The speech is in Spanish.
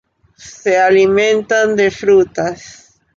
Se alimentan de frutas.